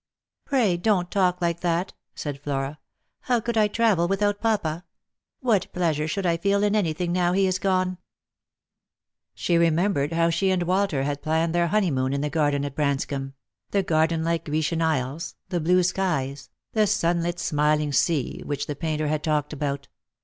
" Pray don't talk like that," said Flora; "how could I travel without papa ? What pleasure should I feel in anything now he is gone '(" She remembered how she and Walter had planned their honeymoon in the garden at Branscomb; the garden like Grecian isles, the blue skies, the sunlit smiling sea which the 246 Lost for Love. painter had talked about.